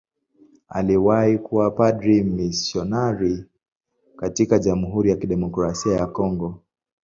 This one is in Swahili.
Aliwahi kuwa padri mmisionari katika Jamhuri ya Kidemokrasia ya Kongo.